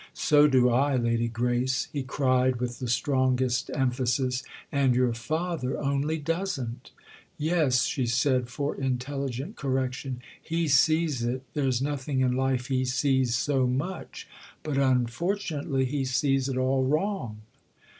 "So do I, Lady Grace!" he cried with the strongest emphasis. "And your father only doesn't." "Yes," she said for intelligent correction—"he sees it, there's nothing in life he sees so much. But unfortunately he sees it all wrong."